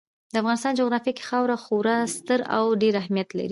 د افغانستان جغرافیه کې خاوره خورا ستر او ډېر اهمیت لري.